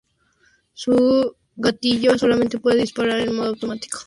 Su gatillo solamente puede disparar en modo automático.